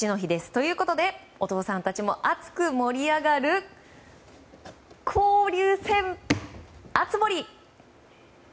ということで、お父さんたちも熱く盛り上がる交流戦熱盛。